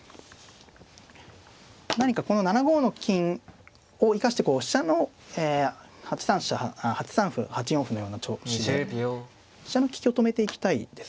何かこの７五の金を生かしてこう飛車のえ８三飛車８三歩８四歩のような調子で飛車の利きを止めていきたいですね。